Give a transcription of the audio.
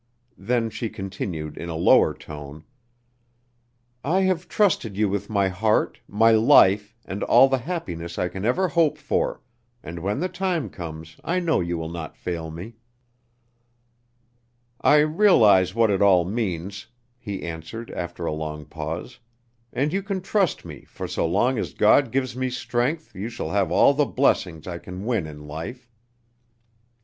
Then she continued, in a lower tone: "I have trusted you with my heart, my life, and all the happiness I can ever hope for, and when the time comes I know you will not fail me." "I realize what it all means," he answered, after a long pause, "and you can trust me, for so long as God gives me strength you shall have all the blessings I can win in life."